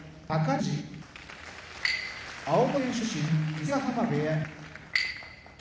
富士青森県出身伊勢ヶ濱部屋霧